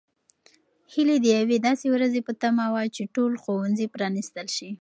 هیلې د یوې داسې ورځې په تمه وه چې ټول ښوونځي پرانیستل شي.